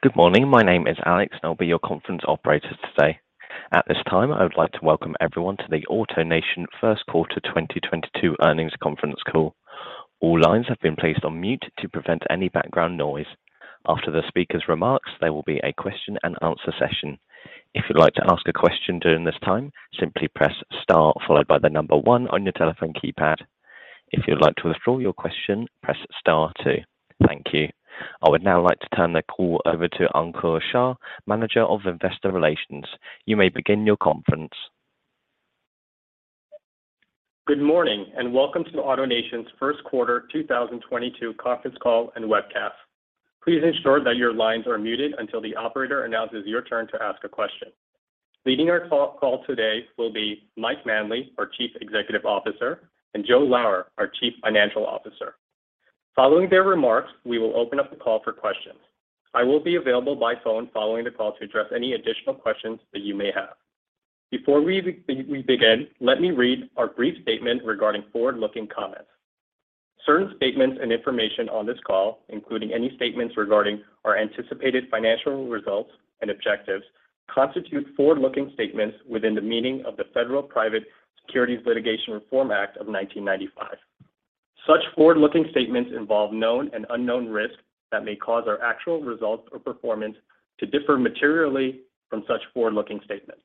Good morning. My name is Alex, and I'll be your conference operator today. At this time, I would like to welcome everyone to the AutoNation Q1 2022 earnings conference call. All lines have been placed on mute to prevent any background noise. After the speaker's remarks, there will be a question-and-answer session. If you'd like to ask a question during this time, simply press star followed by the number 1 on your telephone keypad. If you'd like to withdraw your question, press star two. Thank you. I would now like to turn the call over to Ankur Shah, Manager of Investor Relations. You may begin your conference. Good morning and welcome to AutoNation's Q1 2022 conference call and webcast. Please ensure that your lines are muted until the operator announces your turn to ask a question. Leading our call today will be Mike Manley, our Chief Executive Officer, and Joe Lower, our Chief Financial Officer. Following their remarks, we will open up the call for questions. I will be available by phone following the call to address any additional questions that you may have. Before we begin, let me read our brief statement regarding forward-looking comments. Certain statements and information on this call, including any statements regarding our anticipated financial results and objectives, constitute forward-looking statements within the meaning of the Federal Private Securities Litigation Reform Act of 1995. Such forward-looking statements involve known and unknown risks that may cause our actual results or performance to differ materially from such forward-looking statements.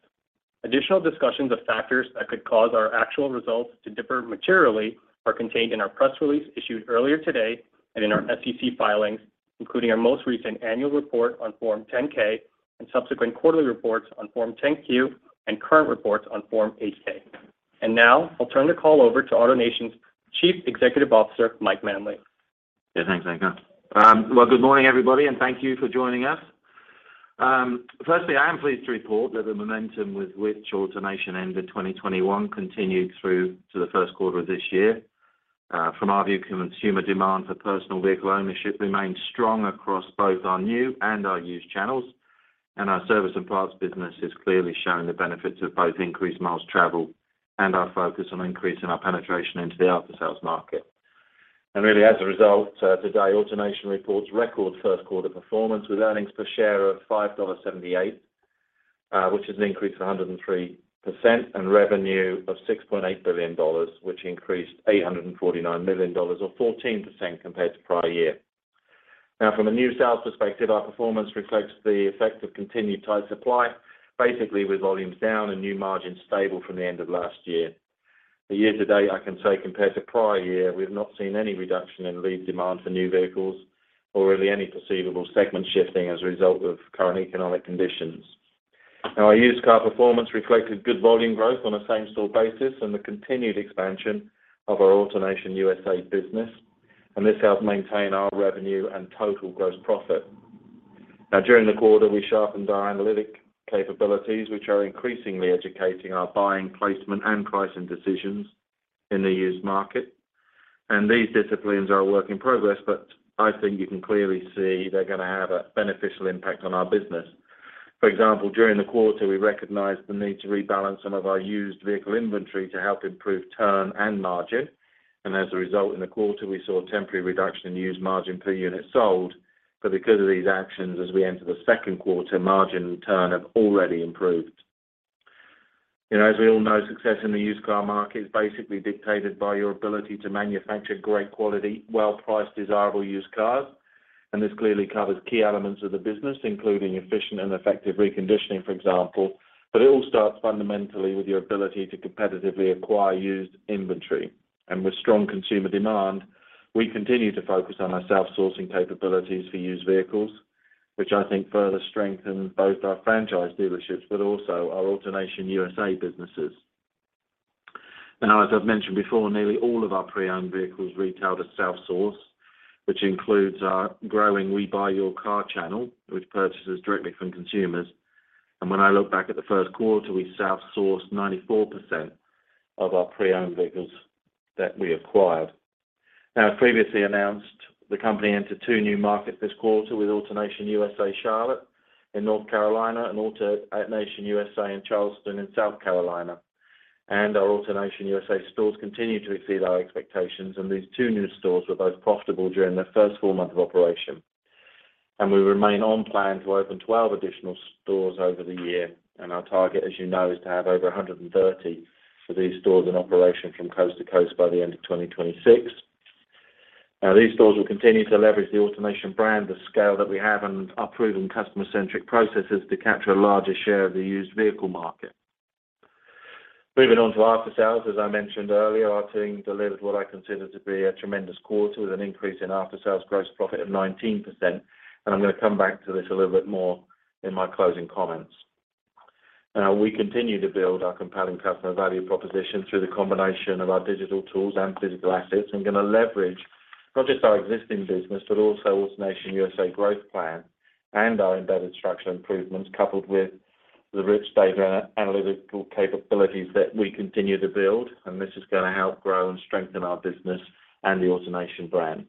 Additional discussions of factors that could cause our actual results to differ materially are contained in our press release issued earlier today and in our SEC filings, including our most recent annual report on Form 10-K and subsequent quarterly reports on Form 10-Q and current reports on Form 8-K. Now I'll turn the call over to AutoNation's Chief Executive Officer, Mike Manley. Yeah, thanks, Ankur. Well, good morning, everybody, and thank you for joining us. Firstly, I am pleased to report that the momentum with which AutoNation ended 2021 continued through to the Q1 of this year. From our view, consumer demand for personal vehicle ownership remains strong across both our new and our used channels, and our service and parts business is clearly showing the benefits of both increased miles traveled and our focus on increasing our penetration into the after-sales market. Really, as a result, today AutoNation reports record Q1 performance with earnings per share of $5.78, which is an increase of 103%, and revenue of $6.8 billion, which increased $849 million or 14% compared to prior year. Now, from a new sales perspective, our performance reflects the effect of continued tight supply, basically with volumes down and new margins stable from the end of last year. For year-to-date, I can say compared to prior year, we have not seen any reduction in lead demand for new vehicles or really any perceivable segment shifting as a result of current economic conditions. Now, our used car performance reflected good volume growth on a same-store basis and the continued expansion of our AutoNation USA business. This helped maintain our revenue and total gross profit. Now, during the quarter, we sharpened our analytic capabilities, which are increasingly educating our buying placement and pricing decisions in the used market. These disciplines are a work in progress, but I think you can clearly see they're gonna have a beneficial impact on our business. For example, during the quarter, we recognized the need to rebalance some of our used vehicle inventory to help improve turn and margin. As a result, in the quarter, we saw a temporary reduction in used margin per unit sold. Because of these actions, as we enter the Q2, margin and turn have already improved. You know, as we all know, success in the used car market is basically dictated by your ability to manufacture great quality, well-priced, desirable used cars. This clearly covers key elements of the business, including efficient and effective reconditioning, for example. It all starts fundamentally with your ability to competitively acquire used inventory. With strong consumer demand, we continue to focus on our self-sourcing capabilities for used vehicles, which I think further strengthen both our franchise dealerships but also our AutoNation USA businesses. Now, as I've mentioned before, nearly all of our pre-owned vehicles retailed as self-sourced, which includes our growing We Buy Your Car channel, which purchases directly from consumers. When I look back at the Q1, we self-sourced 94% of our pre-owned vehicles that we acquired. Now, as previously announced, the company entered 2 new markets this quarter with AutoNation USA Charlotte in North Carolina and AutoNation USA in Charleston in South Carolina. Our AutoNation USA stores continue to exceed our expectations, and these 2 new stores were both profitable during their first full month of operation. We remain on plan to open 12 additional stores over the year. Our target, as you know, is to have over 130 of these stores in operation from coast to coast by the end of 2026. Now, these stores will continue to leverage the AutoNation brand, the scale that we have, and our proven customer-centric processes to capture a larger share of the used vehicle market. Moving on to after-sales, as I mentioned earlier, our team delivered what I consider to be a tremendous quarter with an increase in after-sales gross profit of 19%. I'm gonna come back to this a little bit more in my closing comments. Now, we continue to build our compelling customer value proposition through the combination of our digital tools and physical assets and gonna leverage not just our existing business, but also AutoNation USA growth plan and our embedded structural improvements, coupled with the rich data analytical capabilities that we continue to build. This is gonna help grow and strengthen our business and the AutoNation brand.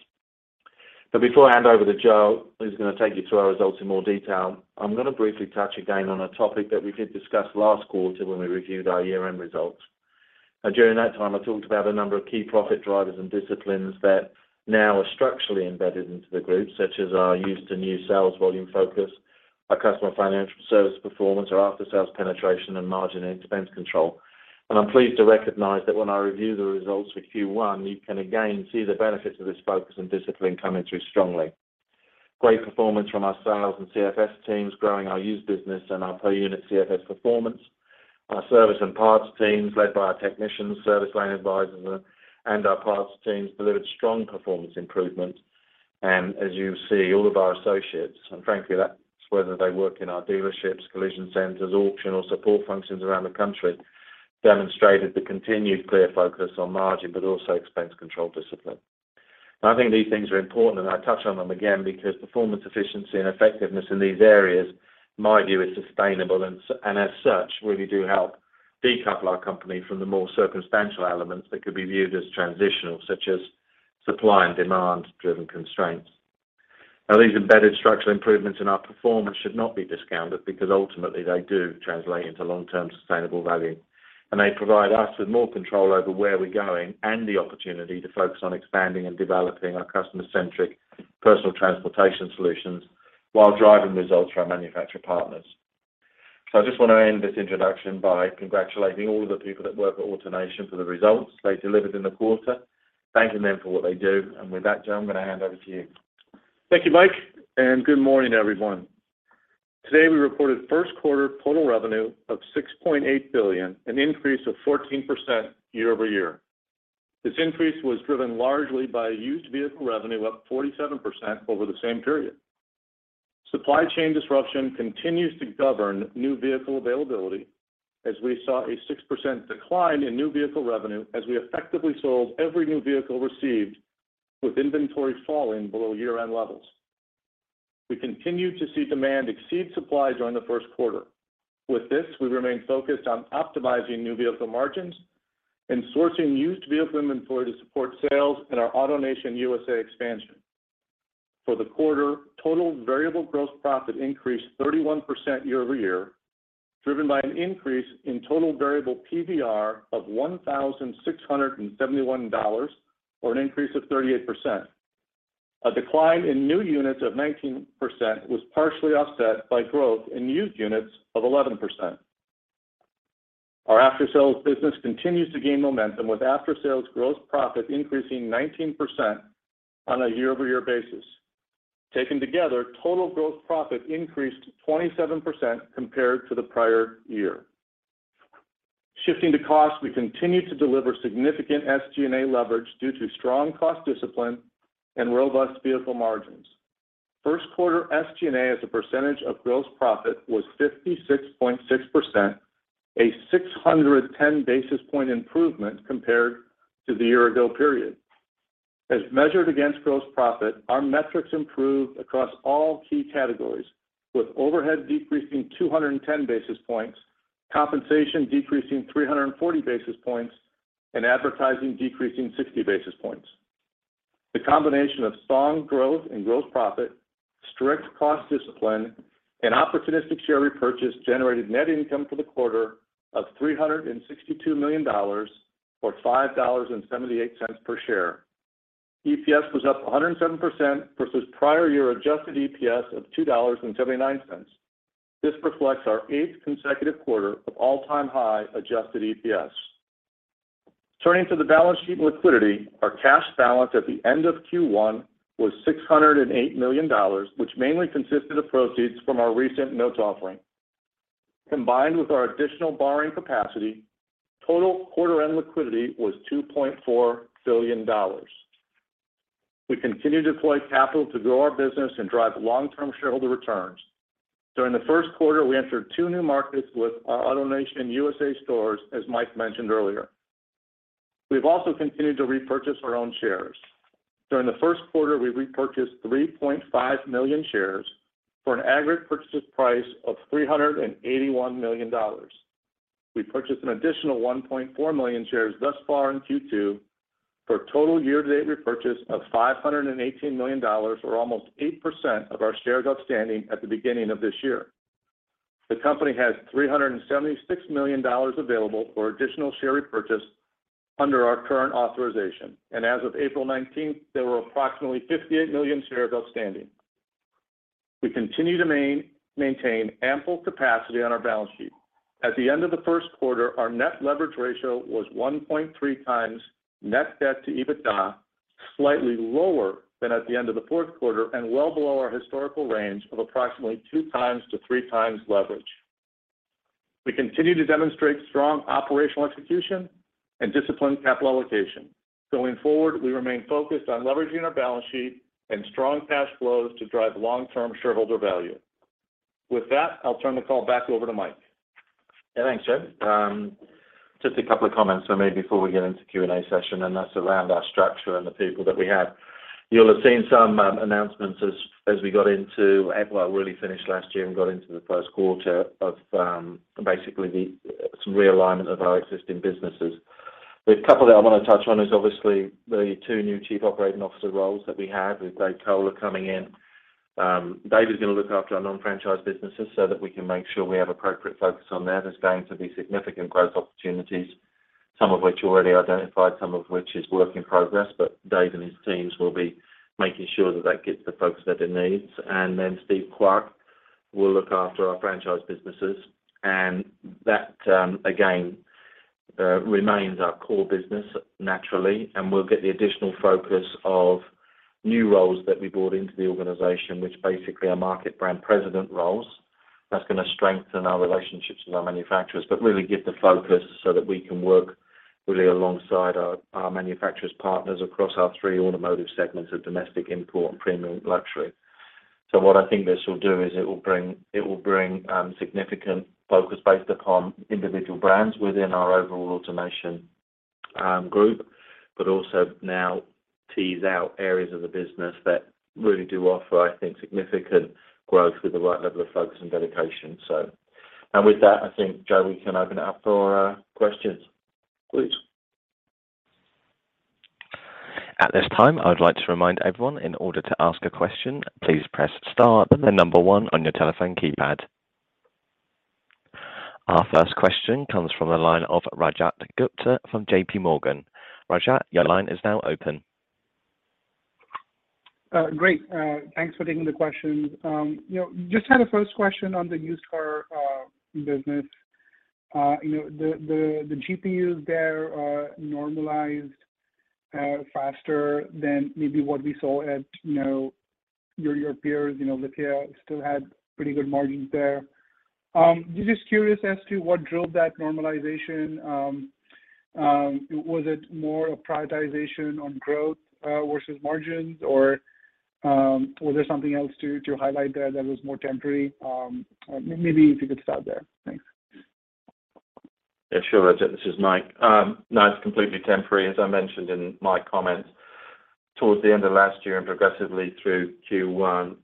before I hand over to Joe, who's gonna take you through our results in more detail, I'm gonna briefly touch again on a topic that we did discuss last quarter when we reviewed our year-end results. During that time, I talked about a number of key profit drivers and disciplines that now are structurally embedded into the group, such as our used to new sales volume focus, our customer financial service performance, our after-sales penetration and margin and expense control. I'm pleased to recognize that when I review the results for Q1, you can again see the benefits of this focus and discipline coming through strongly. Great performance from our sales and CFS teams, growing our used business and our per unit CFS performance. Our service and parts teams, led by our technicians, service line advisors, and our parts teams delivered strong performance improvement. As you see, all of our associates, and frankly, that's whether they work in our dealerships, collision centers, auction or support functions around the country, demonstrated the continued clear focus on margin, but also expense control discipline. Now I think these things are important, and I touch on them again because performance efficiency and effectiveness in these areas, in my view, is sustainable and as such, really do help decouple our company from the more circumstantial elements that could be viewed as transitional, such as supply and demand-driven constraints. Now these embedded structural improvements in our performance should not be discounted because ultimately they do translate into long-term sustainable value. They provide us with more control over where we're going and the opportunity to focus on expanding and developing our customer-centric personal transportation solutions while driving results for our manufacturer partners. I just want to end this introduction by congratulating all of the people that work at AutoNation for the results they delivered in the quarter, thanking them for what they do. With that, Joe, I'm going to hand over to you. Thank you, Mike, and good morning, everyone. Today, we reported Q1 total revenue of $6.8 billion, an increase of 14% year-over-year. This increase was driven largely by used vehicle revenue, up 47% over the same period. Supply chain disruption continues to govern new vehicle availability as we saw a 6% decline in new vehicle revenue as we effectively sold every new vehicle received with inventory falling below year-end levels. We continued to see demand exceed supply during the Q1. With this, we remain focused on optimizing new vehicle margins and sourcing used vehicle inventory to support sales in our AutoNation USA expansion. For the quarter, total variable gross profit increased 31% year-over-year, driven by an increase in total variable PVR of $1,671, or an increase of 38%. A decline in new units of 19% was partially offset by growth in used units of 11%. Our after-sales business continues to gain momentum, with after-sales gross profit increasing 19% on a year-over-year basis. Taken together, total gross profit increased 27% compared to the prior year. Shifting to cost, we continue to deliver significant SG&A leverage due to strong cost discipline and robust vehicle margins. Q1 SG&A as a percentage of gross profit was 56.6%, a 610 basis point improvement compared to the year ago period. As measured against gross profit, our metrics improved across all key categories, with overhead decreasing 210 basis points, compensation decreasing 340 basis points, and advertising decreasing 60 basis points. The combination of strong growth and gross profit, strict cost discipline, and opportunistic share repurchase generated net income for the quarter of $362 million, or $5.78 per share. EPS was up 107% versus prior year adjusted EPS of $2.79. This reflects our eighth consecutive quarter of all-time high adjusted EPS. Turning to the balance sheet and liquidity, our cash balance at the end of Q1 was $608 million, which mainly consisted of proceeds from our recent notes offering. Combined with our additional borrowing capacity, total quarter end liquidity was $2.4 billion. We continue to deploy capital to grow our business and drive long-term shareholder returns. During the Q1, we entered two new markets with our AutoNation USA stores, as Mike mentioned earlier. We've also continued to repurchase our own shares. During the Q1, we repurchased 3.5 million shares for an aggregate purchase price of $381 million. We purchased an additional 1.4 million shares thus far in Q2 for a total year-to-date repurchase of $518 million, or almost 8% of our shares outstanding at the beginning of this year. The company has $376 million available for additional share repurchase under our current authorization. As of April 19, there were approximately 58 million shares outstanding. We continue to maintain ample capacity on our balance sheet. At the end of the Q1 our net leverage ratio was 1.3 times net debt to EBITDA, slightly lower than at the end of the Q4 and well below our historical range of approximately 2-3 times leverage. We continue to demonstrate strong operational execution and disciplined capital allocation. Going forward, we remain focused on leveraging our balance sheet and strong cash flows to drive long-term shareholder value. With that, I'll turn the call back over to Mike. Yeah, thanks, Joe. Just a couple of comments from me before we get into Q&A session, and that's around our structure and the people that we have. You'll have seen some announcements as we got into April, really finished last year and got into the Q1 of, basically some realignment of our existing businesses. The couple that I want to touch on is obviously the two new chief operating officer roles that we have with Dave Koehler coming in. Dave is gonna look after our non-franchised businesses so that we can make sure we have appropriate focus on that. There's going to be significant growth opportunities, some of which already identified, some of which is work in progress. Dave and his teams will be making sure that that gets the focus that it needs. Steve Kwak will look after our franchise businesses. That, again, remains our core business naturally, and we'll get the additional focus of new roles that we brought into the organization, which basically are Market Brand President roles. That's gonna strengthen our relationships with our manufacturers, but really give the focus so that we can work really alongside our manufacturer partners across our three automotive segments of domestic, import, and premium luxury. What I think this will do is it will bring significant focus based upon individual brands within our overall AutoNation group, but also now tease out areas of the business that really do offer, I think, significant growth with the right level of focus and dedication. With that, I think, Joe, we can open it up for questions. Please. At this time, I would like to remind everyone, in order to ask a question, please press star, then one on your telephone keypad. Our first question comes from the line of Rajat Gupta from J.P. Morgan. Rajat, your line is now open. Great. Thanks for taking the questions. You know, just had a first question on the used car business. You know, the GPUs there normalized faster than maybe what we saw at, you know, your peers. You know, Lithia still had pretty good margins there. Just curious as to what drove that normalization. Was it more a prioritization on growth versus margins? Or, was there something else to highlight there that was more temporary? Maybe if you could start there. Thanks. Yeah, sure. Rajat, this is Mike. No, it's completely temporary. As I mentioned in my comments towards the end of last year and progressively through Q1,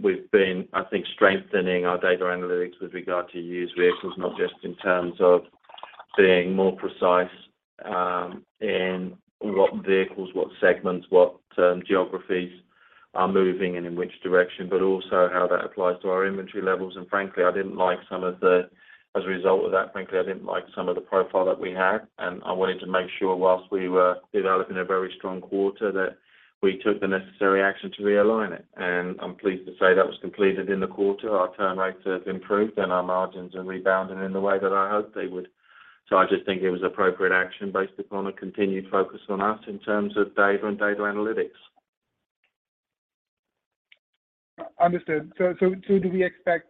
we've been, I think, strengthening our data analytics with regard to used vehicles, not just in terms of being more precise in what vehicles, what segments, what geographies are moving and in which direction, but also how that applies to our inventory levels. As a result of that, frankly, I didn't like some of the profile that we had, and I wanted to make sure while we were developing a very strong quarter, that we took the necessary action to realign it. I'm pleased to say that was completed in the quarter. Our turn rates have improved and our margins are rebounding in the way that I hoped they would. I just think it was appropriate action based upon a continued focus on us in terms of data and data analytics. Understood. Do we expect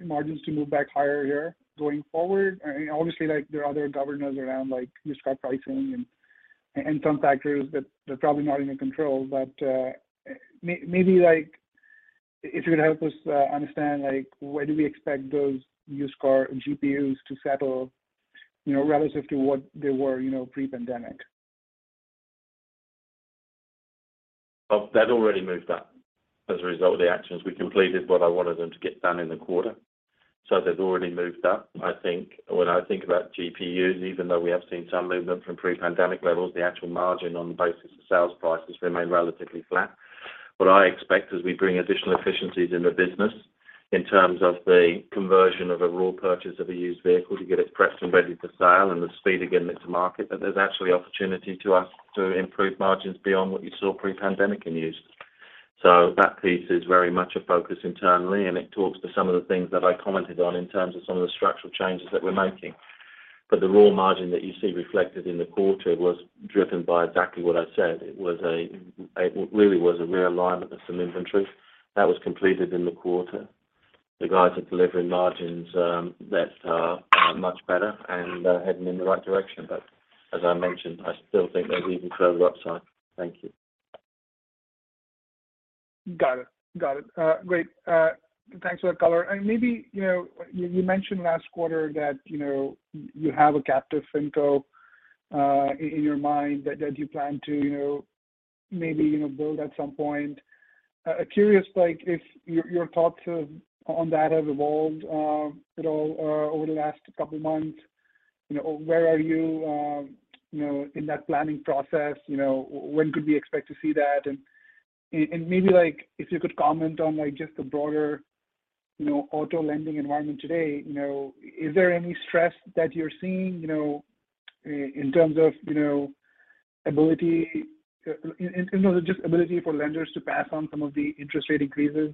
margins to move back higher here going forward? I mean, obviously, like there are other governors around, like used car pricing and some factors that they're probably not in your control. But maybe like if you could help us understand like where do we expect those used car GPUs to settle, you know, relative to what they were, you know, pre-pandemic? Well, they've already moved up as a result of the actions we completed, what I wanted them to get done in the quarter. They've already moved up. I think when I think about GPUs, even though we have seen some movement from pre-pandemic levels, the actual margin on the basis of sales prices remain relatively flat. What I expect is we bring additional efficiencies in the business in terms of the conversion of a raw purchase of a used vehicle to get it prepped and ready for sale and the speed of getting it to market, that there's actually opportunity to us to improve margins beyond what you saw pre-pandemic in used. That piece is very much a focus internally, and it talks to some of the things that I commented on in terms of some of the structural changes that we're making. The raw margin that you see reflected in the quarter was driven by exactly what I said. It really was a realignment of some inventory that was completed in the quarter. The guys are delivering margins that are much better and heading in the right direction. As I mentioned, I still think there's even further upside. Thank you. Got it. Great. Thanks for that color. Maybe, you know, you mentioned last quarter that, you know, you have a captive FinCo in your mind that you plan to, you know, maybe build at some point. Curious, like if your thoughts on that have evolved at all over the last couple of months. You know, where are you know, in that planning process? You know, when could we expect to see that? Maybe like if you could comment on like just the broader, you know, auto lending environment today. You know, is there any stress that you're seeing, you know, in terms of, you know, ability, in terms of just ability for lenders to pass on some of the interest rate increases,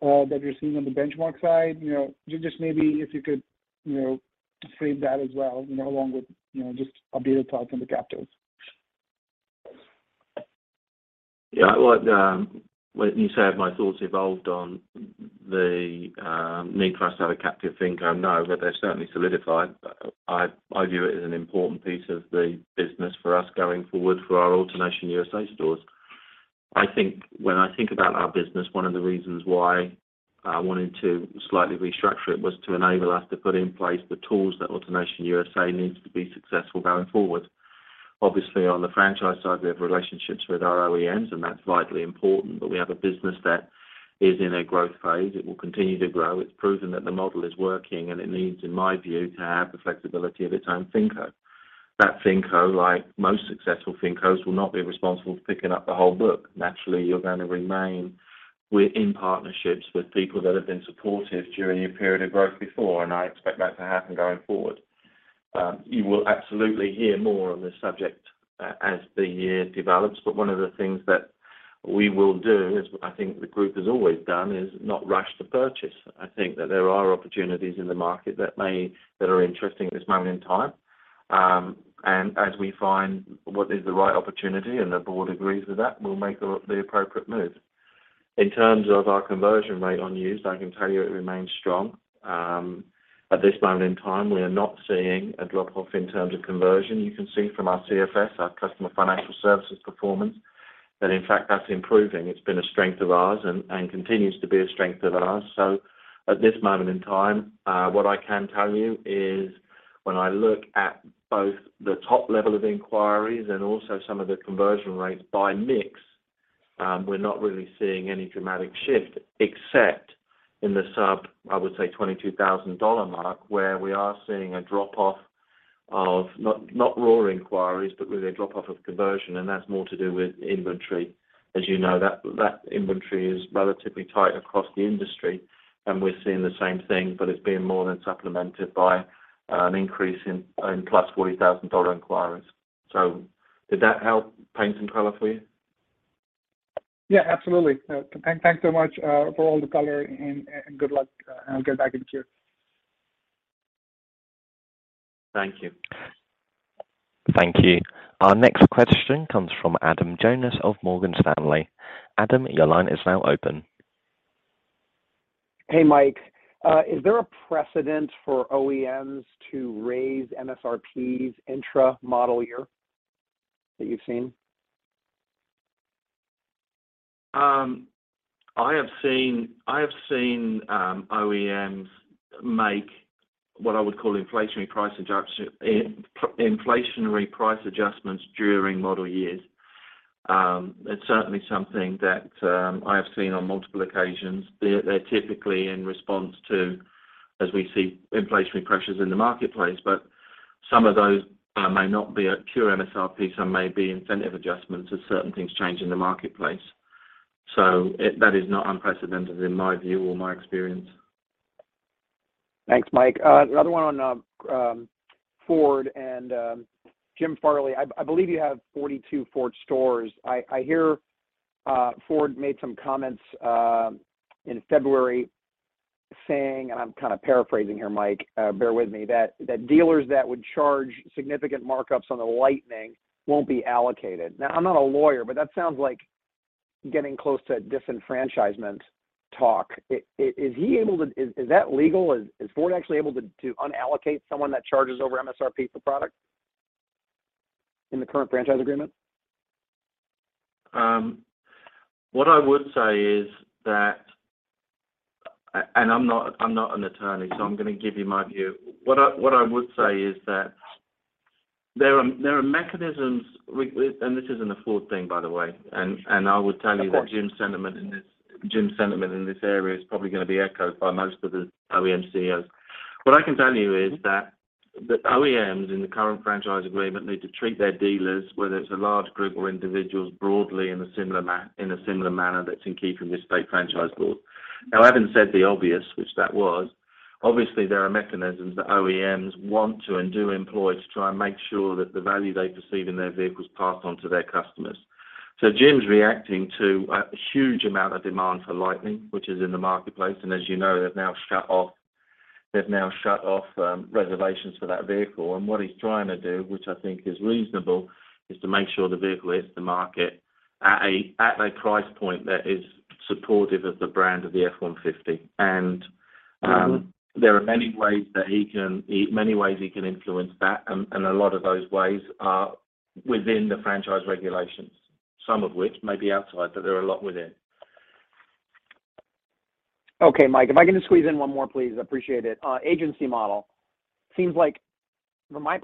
that you're seeing on the benchmark side? You know, just maybe if you could, you know, frame that as well, you know, along with, you know, just updated thoughts on the captives. Yeah. Well, when you say have my thoughts evolved on the need for us to have a captive FinCo, no, but they're certainly solidified. I view it as an important piece of the business for us going forward for our AutoNation USA stores. I think when I think about our business, one of the reasons why I wanted to slightly restructure it was to enable us to put in place the tools that AutoNation USA needs to be successful going forward. Obviously, on the franchise side, we have relationships with our OEMs, and that's vitally important. But we have a business that is in a growth phase. It will continue to grow. It's proven that the model is working, and it needs, in my view, to have the flexibility of its own FinCo. That FinCo, like most successful FinCos, will not be responsible for picking up the whole book. Naturally, you're going to remain within partnerships with people that have been supportive during your period of growth before, and I expect that to happen going forward. You will absolutely hear more on this subject as the year develops. One of the things that we will do is, I think the group has always done, is not rush to purchase. I think that there are opportunities in the market that are interesting at this moment in time. And as we find what is the right opportunity and the board agrees with that, we'll make the appropriate move. In terms of our conversion rate on used, I can tell you it remains strong. At this moment in time, we are not seeing a drop-off in terms of conversion. You can see from our CFS, our Customer Financial Services performance, that in fact that's improving. It's been a strength of ours and continues to be a strength of ours. At this moment in time, what I can tell you is when I look at both the top level of inquiries and also some of the conversion rates by mix, we're not really seeing any dramatic shift except in the sub, I would say, 22,000 dollar mark, where we are seeing a drop-off of not raw inquiries, but really a drop-off of conversion, and that's more to do with inventory. As you know, that inventory is relatively tight across the industry, and we're seeing the same thing, but it's being more than supplemented by an increase in plus $40,000 inquiries. Did that help paint some color for you? Yeah, absolutely. Thanks so much for all the color and good luck, and I'll get back in queue. Thank you. Thank you. Our next question comes from Adam Jonas of Morgan Stanley. Adam, your line is now open. Hey, Mike. Is there a precedent for OEMs to raise MSRPs intra model year that you've seen? I have seen OEMs make what I would call inflationary price adjustments during model years. It's certainly something that I have seen on multiple occasions. They're typically in response to, as we see inflationary pressures in the marketplace. But some of those may not be a pure MSRP, some may be incentive adjustments as certain things change in the marketplace. That is not unprecedented in my view or my experience. Thanks, Mike. Another one on Ford and Jim Farley. I believe you have 42 Ford stores. I hear Ford made some comments in February saying, and I'm kind of paraphrasing here, Mike, bear with me, that dealers that would charge significant markups on the Lightning won't be allocated. Now, I'm not a lawyer, but that sounds like getting close to disenfranchisement talk. Is he able to? Is that legal? Is Ford actually able to unallocate someone that charges over MSRP for product in the current franchise agreement? I'm not an attorney, so I'm gonna give you my view. What I would say is that there are mechanisms we, and this isn't a Ford thing, by the way. Of course. I would tell you that Jim's sentiment in this area is probably gonna be echoed by most of the OEM CEOs. What I can tell you is that OEMs in the current franchise agreement need to treat their dealers, whether it's a large group or individuals, broadly in a similar manner that's in keeping with state franchise law. Now, having said the obvious, which was, obviously there are mechanisms that OEMs want to and do employ to try and make sure that the value they perceive in their vehicles passed on to their customers. Jim's reacting to a huge amount of demand for Lightning, which is in the marketplace. As you know, they've now shut off reservations for that vehicle. What he's trying to do, which I think is reasonable, is to make sure the vehicle hits the market at a price point that is supportive of the brand of the F-150. There are many ways that he can influence that, and a lot of those ways are within the franchise regulations, some of which may be outside, but there are a lot within. Okay, Mike, if I can just squeeze in one more, please. I appreciate it. Agency model. Seems like from my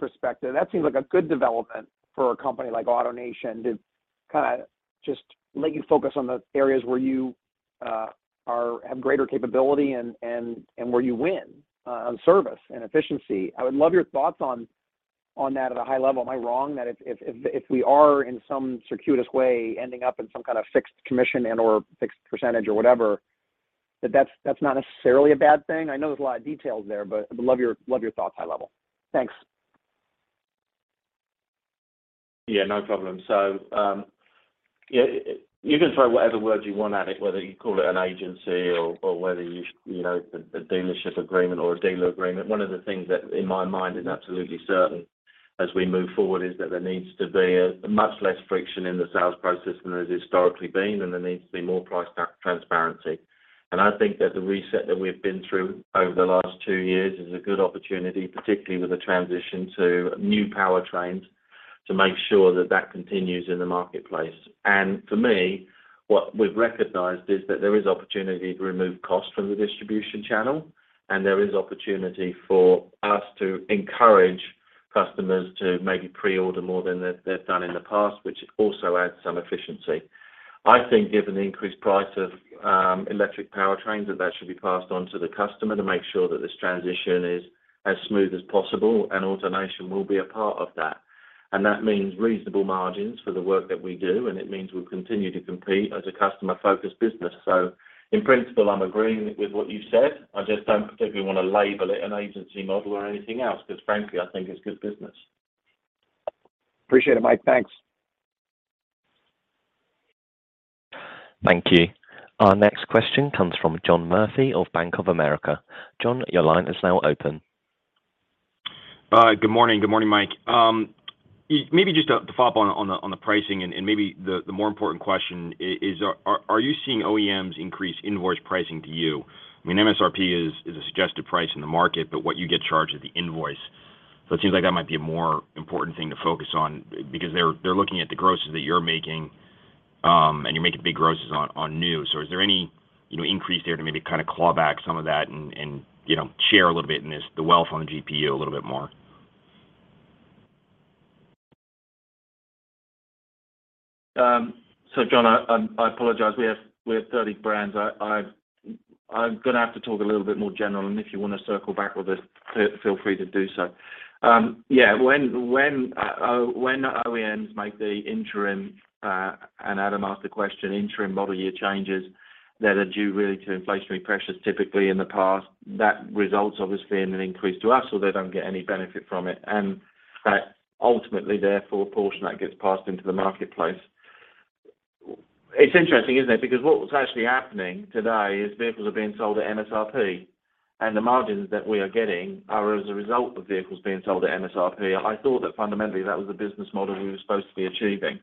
perspective, that seems like a good development for a company like AutoNation to kinda just let you focus on the areas where you have greater capability and where you win on service and efficiency. I would love your thoughts on that at a high level. Am I wrong that if we are in some circuitous way ending up in some kind of fixed commission or fixed percentage or whatever, that that's not necessarily a bad thing? I know there's a lot of details there, but I'd love your thoughts high level. Thanks. Yeah, no problem. Yeah, you can throw whatever words you want at it, whether you call it an agency or you know, a dealership agreement or a dealer agreement. One of the things that in my mind is absolutely certain as we move forward is that there needs to be a much less friction in the sales process than there's historically been, and there needs to be more price transparency. I think that the reset that we've been through over the last two years is a good opportunity, particularly with the transition to new powertrains, to make sure that that continues in the marketplace. For me, what we've recognized is that there is opportunity to remove cost from the distribution channel, and there is opportunity for us to encourage customers to maybe pre-order more than they've done in the past, which also adds some efficiency. I think given the increased price of electric powertrains, that should be passed on to the customer to make sure that this transition is as smooth as possible, and AutoNation will be a part of that. That means reasonable margins for the work that we do, and it means we'll continue to compete as a customer-focused business. In principle, I'm agreeing with what you said. I just don't particularly want to label it an agency model or anything else because frankly, I think it's good business. Appreciate it, Mike. Thanks. Thank you. Our next question comes from John Murphy of Bank of America. John, your line is now open. Good morning. Good morning, Mike. Maybe just to follow up on the pricing and maybe the more important question is, are you seeing OEMs increase invoice pricing to you? I mean, MSRP is a suggested price in the market, but what you get charged is the invoice. So it seems like that might be a more important thing to focus on because they're looking at the grosses that you're making, and you're making big grosses on new. So is there any, you know, increase there to maybe kind of claw back some of that and, you know, share a little bit in the wealth on the GPU a little bit more? John, I apologize. We have 30 brands. I'm gonna have to talk a little bit more general, and if you want to circle back with us, feel free to do so. Yeah. When OEMs make the interim, and Adam asked the question, interim model year changes that are due really to inflationary pressures typically in the past, that results obviously in an increase to us, or they don't get any benefit from it. That ultimately, therefore, a portion that gets passed into the marketplace. It's interesting, isn't it? Because what was actually happening today is vehicles are being sold at MSRP, and the margins that we are getting are as a result of vehicles being sold at MSRP. I thought that fundamentally that was the business model we were supposed to be achieving.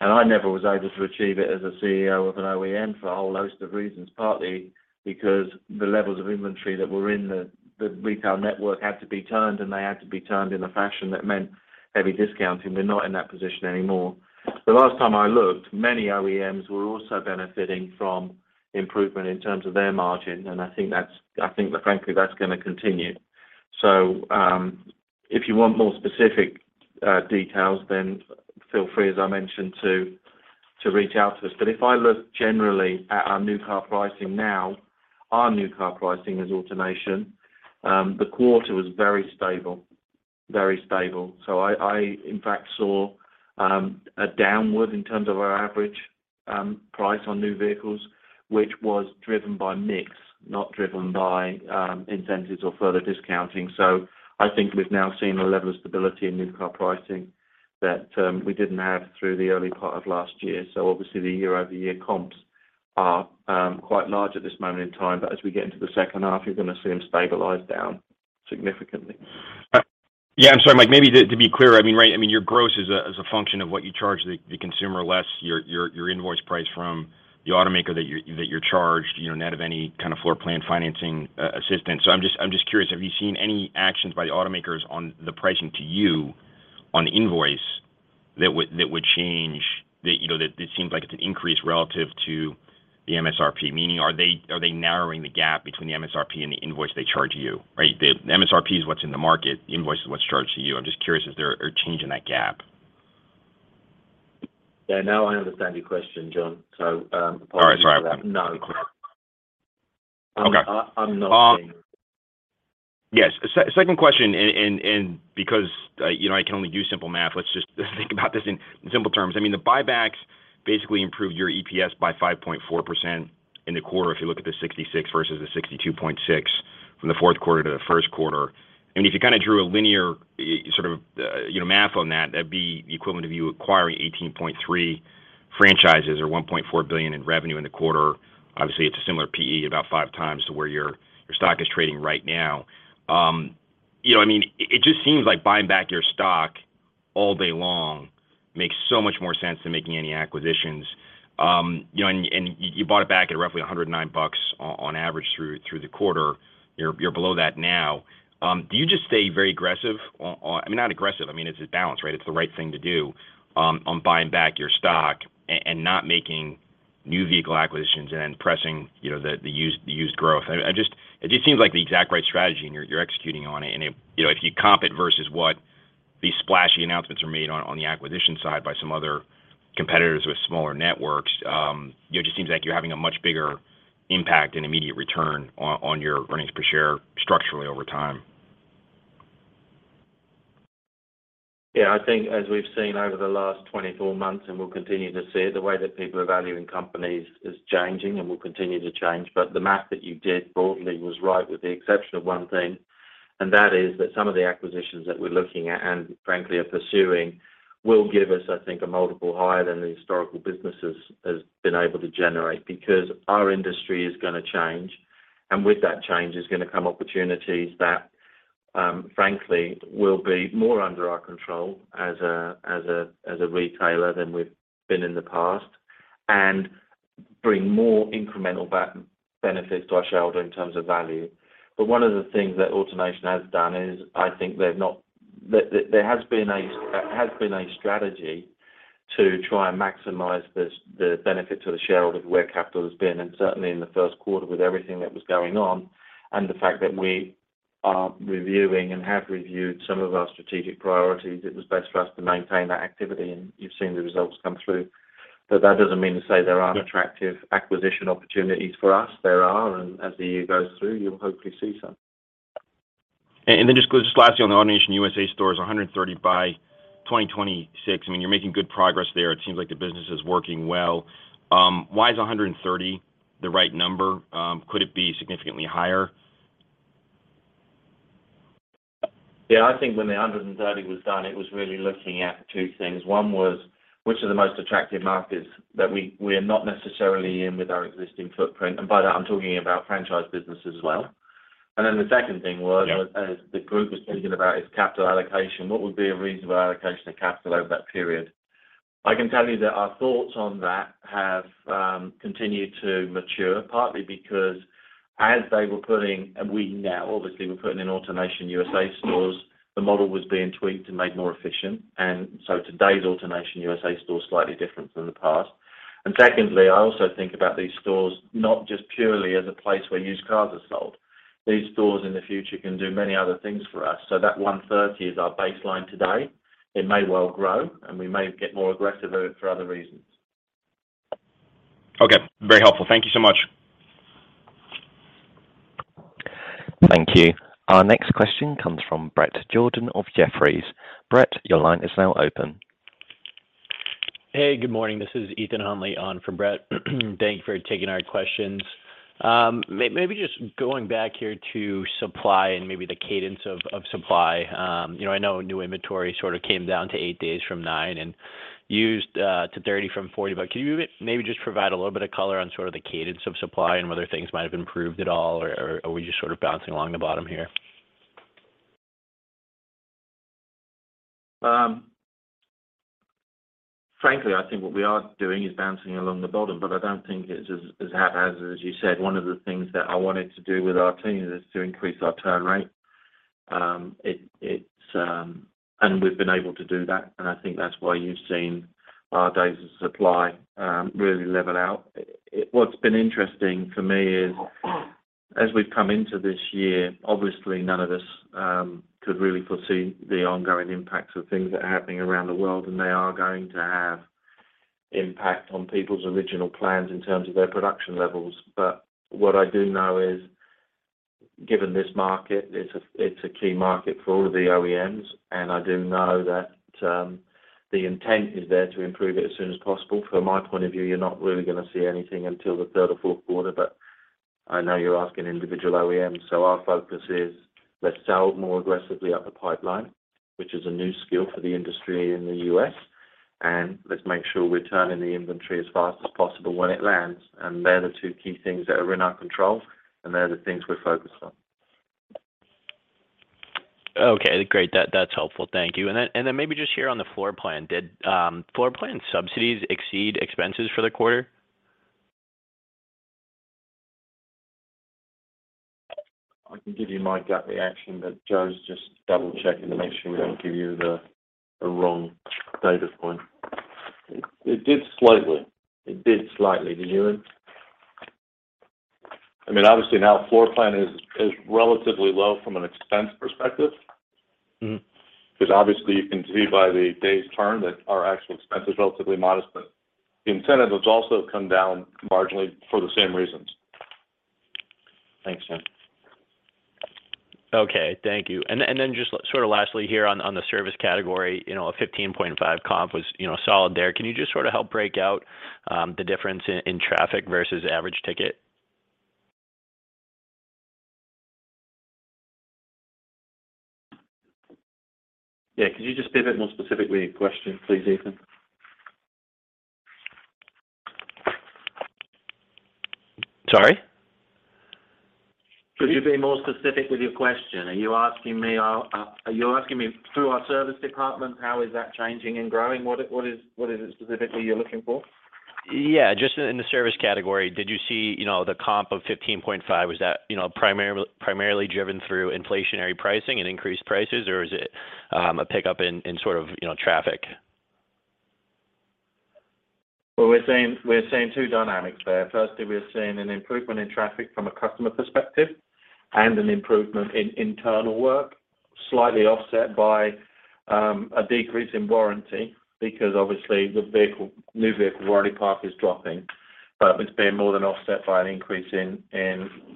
I never was able to achieve it as a CEO of an OEM for a whole host of reasons, partly because the levels of inventory that were in the retail network had to be turned, and they had to be turned in a fashion that meant heavy discounting. We're not in that position anymore. The last time I looked, many OEMs were also benefiting from improvement in terms of their margin, and I think that frankly, that's going to continue. If you want more specific details, then feel free, as I mentioned, to reach out to us. If I look generally at our new car pricing as AutoNation, the quarter was very stable. I in fact saw a downward in terms of our average price on new vehicles, which was driven by mix, not driven by incentives or further discounting. I think we've now seen a level of stability in new car pricing that we didn't have through the early part of last year. Obviously the year-over-year comps are quite large at this moment in time. As we get into the second half, you're going to see them stabilize down significantly. Yeah, I'm sorry, Mike. Maybe to be clear, I mean, right, I mean, your gross is a function of what you charge the consumer less your invoice price from the automaker that you're charged, you know, net of any kind of floor plan financing assistance. I'm just curious, have you seen any actions by the automakers on the pricing to you on invoice that would change the, you know, it seems like it's an increase relative to the MSRP. Meaning are they narrowing the gap between the MSRP and the invoice they charge you? Right. The MSRP is what's in the market, the invoice is what's charged to you. I'm just curious if they're changing that gap. Yeah. Now I understand your question, John. Apologies for that. All right. No. Okay. I'm not seeing it. Yes. Second question and because you know, I can only do simple math, let's just think about this in simple terms. I mean, the buybacks basically improve your EPS by 5.4% in the quarter if you look at the 66 versus the 62.6 from the Q4 to the Q1. If you kind of drew a linear sort of math on that'd be the equivalent of you acquiring 18.3 franchises or $1.4 billion in revenue in the quarter. Obviously, it's a similar PE about 5x to where your stock is trading right now. I mean, it just seems like buying back your stock all day long makes so much more sense than making any acquisitions. You know, you bought it back at roughly $109 on average through the quarter. You're below that now. Do you just stay very aggressive on... I mean, not aggressive. I mean, it's a balance, right? It's the right thing to do, on buying back your stock and not making new vehicle acquisitions and then pressing, you know, the used growth. It just seems like the exact right strategy, and you're executing on it. You know, if you comp it versus what these splashy announcements are made on the acquisition side by some other competitors with smaller networks, you know, it just seems like you're having a much bigger impact and immediate return on your earnings per share structurally over time. Yeah. I think as we've seen over the last 24 months, and we'll continue to see the way that people are valuing companies is changing and will continue to change. The math that you did broadly was right with the exception of one thing, and that is that some of the acquisitions that we're looking at and frankly are pursuing will give us, I think, a multiple higher than the historical businesses has been able to generate. Because our industry is gonna change, and with that change is gonna come opportunities that, frankly, will be more under our control as a retailer than we've been in the past and bring more incremental back benefits to our shareholder in terms of value. One of the things that AutoNation has done is I think they've not... There has been a strategy to try and maximize this, the benefit to the shareholder where capital has been, and certainly in the Q1 with everything that was going on and the fact that we are reviewing and have reviewed some of our strategic priorities. It was best for us to maintain that activity, and you've seen the results come through. That doesn't mean to say there aren't attractive acquisition opportunities for us. There are, and as the year goes through, you'll hopefully see some. Then just lastly, on the AutoNation USA stores, 130 by 2026. I mean, you're making good progress there. It seems like the business is working well. Why is 130 the right number? Could it be significantly higher? Yeah, I think when the 130 was done, it was really looking at two things. One was, which are the most attractive markets that we're not necessarily in with our existing footprint? By that, I'm talking about franchise business as well. Then the second thing was. Yeah... as the group was thinking about its capital allocation, what would be a reasonable allocation of capital over that period? I can tell you that our thoughts on that have continued to mature, partly because as they were putting, and we now obviously were putting in AutoNation USA stores, the model was being tweaked and made more efficient. Today's AutoNation USA store is slightly different than the past. Secondly, I also think about these stores not just purely as a place where used cars are sold. These stores in the future can do many other things for us. That $130 is our baseline today. It may well grow, and we may get more aggressive of it for other reasons. Okay, very helpful. Thank you so much. Thank you. Our next question comes from Bret Jordan of Jefferies. Bret, your line is now open. Hey, good morning. This is Ethan Huntley on for Brett. Thank you for taking our questions. Maybe just going back here to supply and maybe the cadence of supply. You know, I know new inventory sort of came down to 8 days from 9 and used to 30 from 40. Can you maybe just provide a little bit of color on sort of the cadence of supply and whether things might have improved at all, or are we just sort of bouncing along the bottom here? Frankly, I think what we are doing is bouncing along the bottom, but I don't think it's as haphazard as you said. One of the things that I wanted to do with our team is to increase our turn rate. We've been able to do that, and I think that's why you've seen our days of supply really level out. What's been interesting for me is as we've come into this year, obviously none of us could really foresee the ongoing impacts of things that are happening around the world, and they are going to have impact on people's original plans in terms of their production levels. What I do know is, given this market, it's a key market for all of the OEMs, and I do know that, the intent is there to improve it as soon as possible. From my point of view, you're not really gonna see anything until the third or fourth quarter, but I know you're asking individual OEMs. Our focus is let's sell more aggressively up the pipeline, which is a new skill for the industry in the U.S., and let's make sure we're turning the inventory as fast as possible when it lands. They're the two key things that are in our control, and they're the things we're focused on. Okay, great. That's helpful. Thank you. Maybe just here on the floor plan. Did floor plan subsidies exceed expenses for the quarter? I can give you my gut reaction, but Joe's just double-checking to make sure we don't give you the wrong data point. It did slightly. Can you? I mean, obviously now floor plan is relatively low from an expense perspective. Mm-hmm. 'Cause obviously you can see by the days turned that our actual expense is relatively modest, but the incentive has also come down marginally for the same reasons. Thanks, Joe. Okay, thank you. Then just sort of lastly here on the service category. You know, a 15.5 comp was, you know, solid there. Can you just sort of help break out the difference in traffic versus average ticket? Yeah. Could you just be a bit more specific with your question, please, Ethan? Sorry? Could you be more specific with your question? Are you asking me through our service department, how is that changing and growing? What is it specifically you're looking for? Yeah, just in the service category. Did you see, you know, the comp of 15.5, was that, you know, primarily driven through inflationary pricing and increased prices, or was it a pickup in sort of, you know, traffic? Well, we're seeing two dynamics there. Firstly, we're seeing an improvement in traffic from a customer perspective and an improvement in internal work, slightly offset by a decrease in warranty because obviously the new vehicle warranty park is dropping. It's been more than offset by an increase in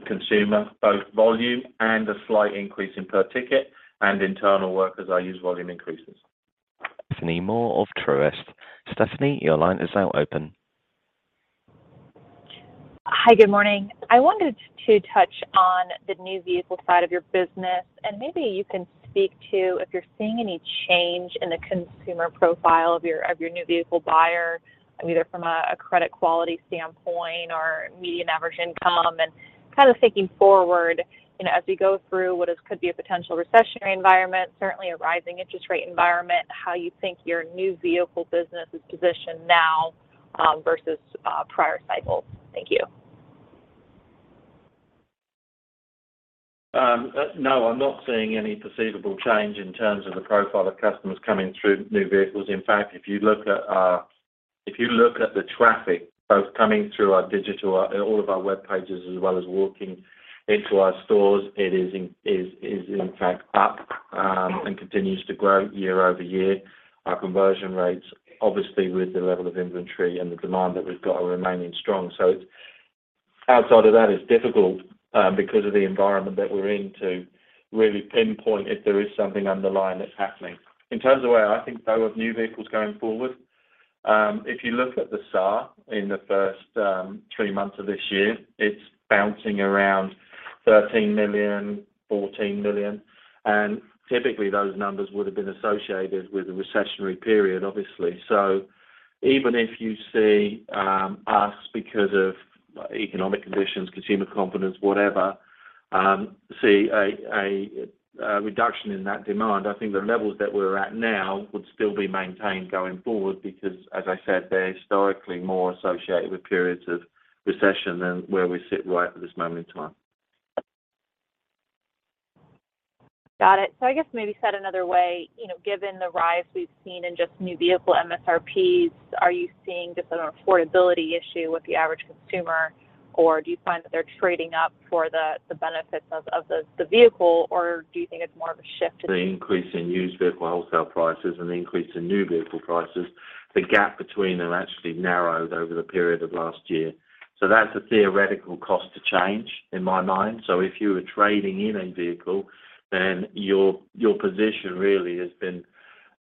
CFS, both volume and a slight increase in per ticket and internal work as our used volume increases. Stephanie Moore of Truist. Stephanie, your line is now open. Hi, good morning. I wanted to touch on the new vehicle side of your business, and maybe you can speak to if you're seeing any change in the consumer profile of your new vehicle buyer, either from a credit quality standpoint or median average income, and kind of thinking forward, you know, as we go through what could be a potential recessionary environment, certainly a rising interest rate environment, how you think your new vehicle business is positioned now versus prior cycles. Thank you. No, I'm not seeing any perceivable change in terms of the profile of customers coming through new vehicles. In fact, if you look at the traffic both coming through our digital, all of our web pages as well as walking into our stores, it is in fact up and continues to grow year-over-year. Our conversion rates, obviously with the level of inventory and the demand that we've got, are remaining strong. Outside of that, it's difficult because of the environment that we're in to really pinpoint if there is something underlying that's happening. In terms of where I think, though, of new vehicles going forward, if you look at the SAAR in the first three months of this year, it's bouncing around 13 million-14 million. Typically those numbers would have been associated with a recessionary period, obviously. Even if you see us because of economic conditions, consumer confidence, whatever, see a reduction in that demand, I think the levels that we're at now would still be maintained going forward. Because as I said, they're historically more associated with periods of recession than where we sit right at this moment in time. Got it. I guess maybe said another way, you know, given the rise we've seen in just new vehicle MSRPs, are you seeing just an affordability issue with the average consumer? Or do you find that they're trading up for the benefits of the vehicle? Or do you think it's more of a shift- The increase in used vehicle wholesale prices and the increase in new vehicle prices, the gap between them actually narrowed over the period of last year. That's a theoretical cost to change in my mind. If you were trading in a vehicle, then your position really has been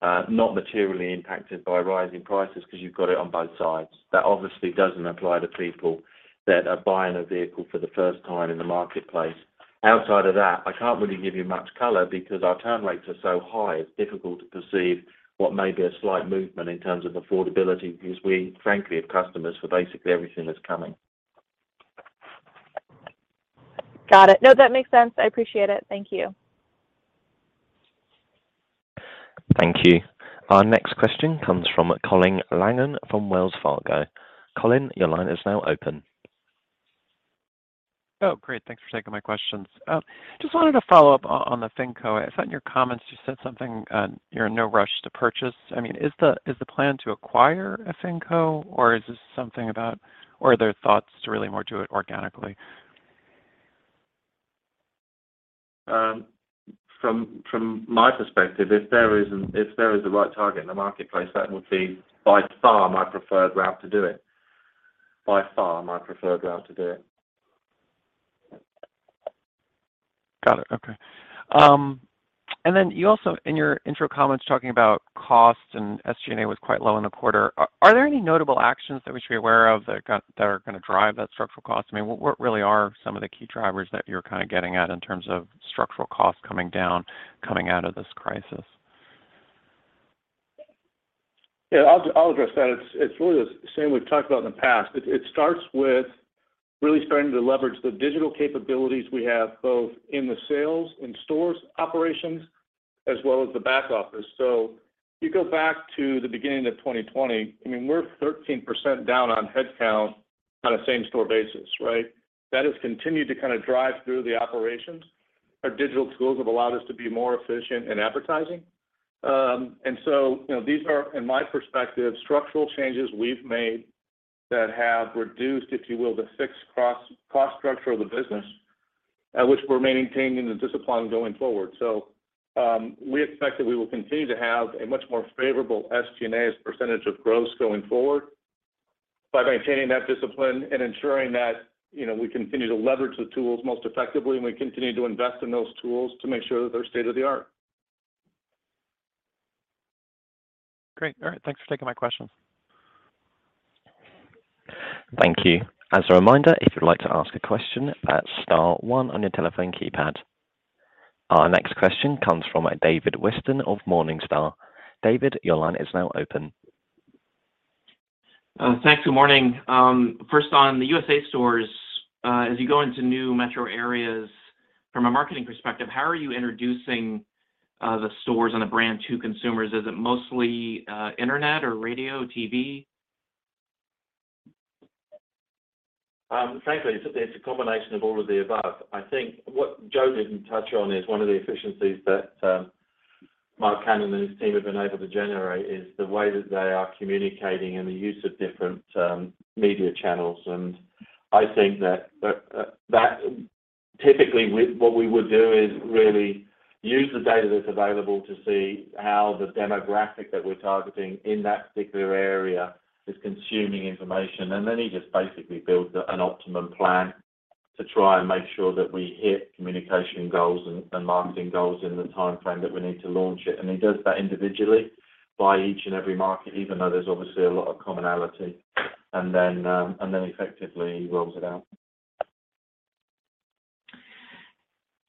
not materially impacted by rising prices because you've got it on both sides. That obviously doesn't apply to people that are buying a vehicle for the first time in the marketplace. Outside of that, I can't really give you much color because our turn rates are so high, it's difficult to perceive what may be a slight movement in terms of affordability because we frankly have customers for basically everything that's coming. Got it. No, that makes sense. I appreciate it. Thank you. Thank you. Our next question comes from Colin Langan from Wells Fargo. Colin, your line is now open. Oh, great. Thanks for taking my questions. Just wanted to follow up on the FinCo. I thought in your comments you said something, you're in no rush to purchase. I mean, is the plan to acquire a FinCo or is this something about or are there thoughts to really more do it organically? From my perspective, if there is the right target in the marketplace, that would be by far my preferred route to do it. By far my preferred route to do it. Got it. Okay. Then you also in your intro comments talking about costs and SG&A was quite low in the quarter. Are there any notable actions that we should be aware of that are gonna drive that structural cost? I mean, what really are some of the key drivers that you're kind of getting at in terms of structural costs coming down, coming out of this crisis? Yeah. I'll address that. It's really the same we've talked about in the past. It starts with really starting to leverage the digital capabilities we have both in the sales and stores operations as well as the back office. You go back to the beginning of 2020, I mean, we're 13% down on headcount on a same store basis, right? That has continued to kind of drive through the operations. Our digital tools have allowed us to be more efficient in advertising. You know, these are, in my perspective, structural changes we've made that have reduced, if you will, the fixed cost structure of the business, which we're maintaining the discipline going forward. We expect that we will continue to have a much more favorable SG&A as a percentage of gross going forward by maintaining that discipline and ensuring that, you know, we continue to leverage the tools most effectively, and we continue to invest in those tools to make sure that they're state-of-the-art. Great. All right. Thanks for taking my questions. Thank you. As a reminder, if you'd like to ask a question, press star one on your telephone keypad. Our next question comes from David Whiston of Morningstar. David, your line is now open. Thanks. Good morning. First on the USA stores. As you go into new metro areas from a marketing perspective, how are you introducing the stores and the brand to consumers? Is it mostly internet or radio, TV? Frankly, it's a combination of all of the above. I think what Joe didn't touch on is one of the efficiencies that Marc Cannon and his team have been able to generate is the way that they are communicating and the use of different media channels. I think that typically what we would do is really use the data that's available to see how the demographic that we're targeting in that particular area is consuming information. He just basically builds an optimum plan to try and make sure that we hit communication goals and marketing goals in the timeframe that we need to launch it. Effectively he rolls it out.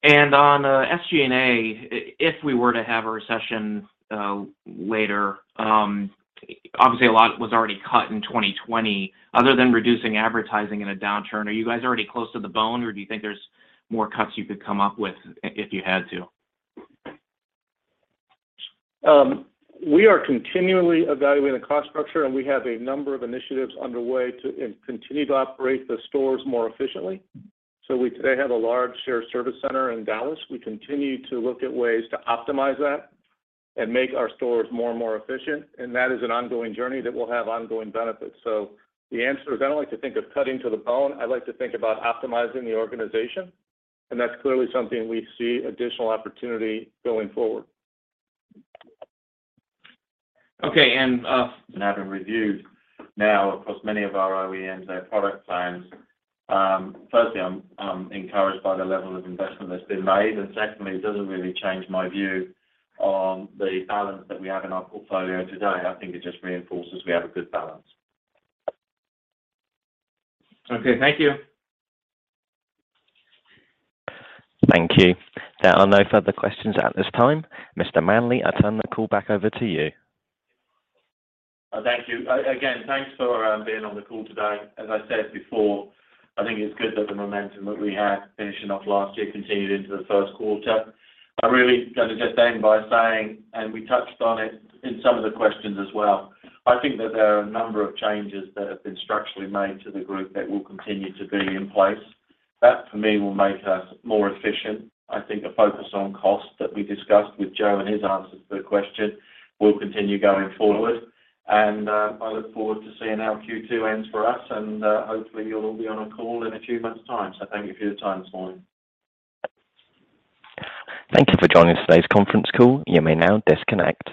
On SG&A, if we were to have a recession later, obviously a lot was already cut in 2020. Other than reducing advertising in a downturn, are you guys already close to the bone or do you think there's more cuts you could come up with if you had to? We are continually evaluating the cost structure, and we have a number of initiatives underway to continue to operate the stores more efficiently. We today have a large shared service center in Dallas. We continue to look at ways to optimize that and make our stores more and more efficient, and that is an ongoing journey that will have ongoing benefits. The answer is, I don't like to think of cutting to the bone. I like to think about optimizing the organization, and that's clearly something we see additional opportunity going forward. Okay. Having reviewed now across many of our OEM's, their product plans, firstly, I'm encouraged by the level of investment that's been made. Secondly, it doesn't really change my view on the balance that we have in our portfolio today. I think it just reinforces we have a good balance. Okay. Thank you. Thank you. There are no further questions at this time. Mr. Manley, I turn the call back over to you. Thank you. Again, thanks for being on the call today. As I said before, I think it's good that the momentum that we had finishing off last year continued into the Q1. I really gonna just end by saying, and we touched on it in some of the questions as well, I think that there are a number of changes that have been structurally made to the group that will continue to be in place. That, for me, will make us more efficient. I think a focus on cost that we discussed with Joe and his answers to the question will continue going forward. I look forward to seeing how Q2 ends for us, and hopefully you'll all be on a call in a few months' time. Thank you for your time this morning. Thank you for joining today's conference call. You may now disconnect.